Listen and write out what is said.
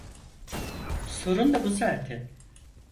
Sorun da bu zaten.